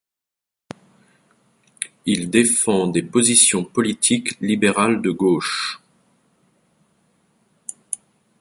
Il défend des positions politiques libérales de gauche.